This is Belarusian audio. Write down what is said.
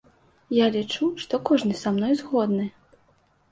Я лічу, што кожны са мной згодны.